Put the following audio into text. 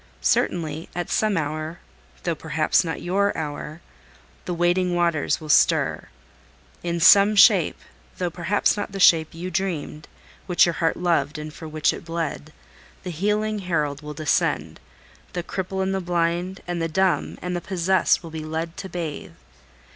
Certainly, at some hour, though perhaps not your hour, the waiting waters will stir; in some shape, though perhaps not the shape you dreamed, which your heart loved, and for which it bled, the healing herald will descend, the cripple and the blind, and the dumb, and the possessed will be led to bathe.